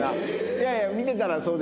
いやいや見てたらそうだよな。